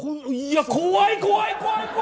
いや、怖い怖い怖い！